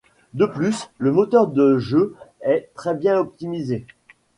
De plus le moteur de jeu est très bien optimisé.